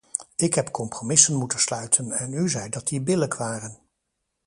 Ik heb compromissen moeten sluiten, en u zei dat die billijk waren.